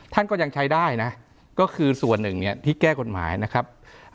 ท่านก็ยังใช้ได้นะก็คือส่วนหนึ่งเนี่ยที่แก้กฎหมายนะครับ